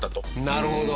なるほど。